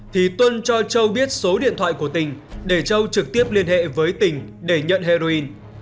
thì tuân cho châu biết số điện thoại của tình để châu trực tiếp liên hệ với tình để nhận heroin